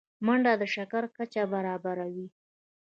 منډه د شکر کچه برابروي